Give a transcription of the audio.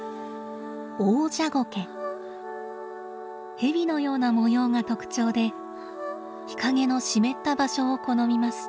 ヘビのような模様が特徴で日陰の湿った場所を好みます。